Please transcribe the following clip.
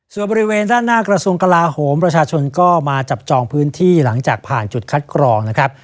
ส่วนบริเวณด้านหน้ากระทรวงกลาโหมประชาชนก็มาจับจองพื้นที่หลังจากผ่านจุดคัดกรองนะครับ